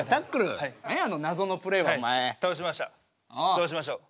どうしましょう。